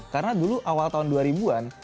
karena dulu awal tahun dua ribu an